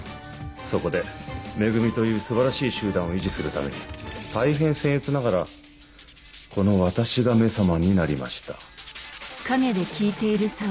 そこで「め組」という素晴らしい集団を維持するために大変僭越ながらこの私が「め様」になりました。